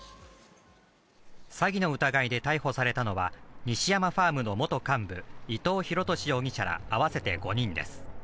詐欺の疑いで逮捕されたのは西山ファームの元幹部伊藤弘敏容疑者ら合わせて５人です。